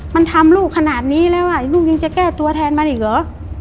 มันทำลูกขนาดนี้แล้วลูกยังจะแก้ตัวแทนมันอีกเหรอ